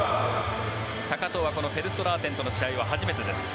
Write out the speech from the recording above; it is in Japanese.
高藤はこのフェルストラーテンとの戦いは初めてです。